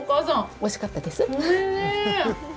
おいしかったです？